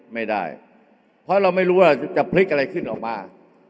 ไม่ได้เพราะเราไม่รู้ว่าจะพลิกอะไรขึ้นออกมา